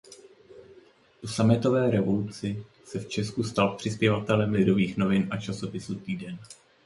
Po sametové revoluci se v Česku stal přispěvatelem "Lidových novin" a časopisu "Týden".